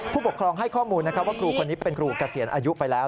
ผู้ปกครองให้ข้อมูลว่าครูคนนี้เป็นครูเกษียณอายุไปแล้ว